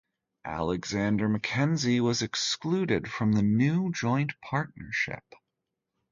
Alexander Mackenzie was excluded from the new joint partnership.